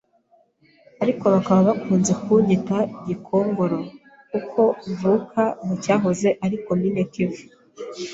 ariko bakaba bakunze kunyita GIKONGORO kuko mvuka mu Cyahoze ari Commune KIVU,